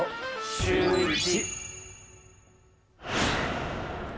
シューイチ。